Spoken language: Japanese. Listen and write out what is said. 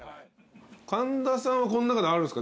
神田さんはこの中であるんすか？